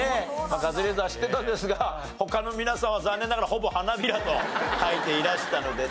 カズレーザーは知ってたんですが他の皆さんは残念ながらほぼ花びらと書いていらしたのでね。